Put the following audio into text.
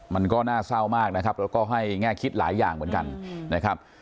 มันก็น่าเศร้ามากนะครับแล้วก็ให้แง่คิดหลายอย่างเหมือนกันนะครับ